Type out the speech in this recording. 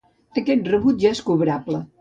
Aquest rebut ja és cobrable.